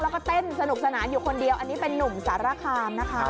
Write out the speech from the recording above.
แล้วก็เต้นสนุกสนานอยู่คนเดียวอันนี้เป็นนุ่มสารคามนะคะ